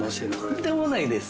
とんでもないです。